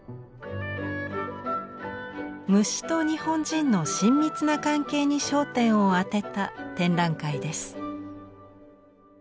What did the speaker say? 虫と日本人の親密な関係に焦点を当てた展覧会です。